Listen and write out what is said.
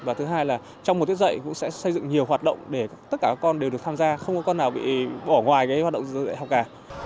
và thứ hai là trong một tiết dạy cũng sẽ xây dựng nhiều hoạt động để tất cả các con đều được tham gia không có con nào bị bỏ ngoài hoạt động dạy học cả